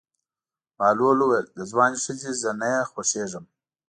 بهلول وویل: د ځوانې ښځې زه نه خوښېږم.